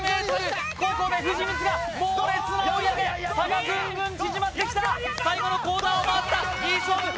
ここで藤光が猛烈な追い上げ差がグングン縮まってきた最後のコーナーを回ったいい勝負